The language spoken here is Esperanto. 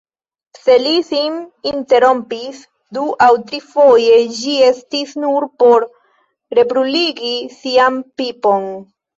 Se li sin interrompis du aŭ trifoje, ĝi estis nur por rebruligi sian pipon.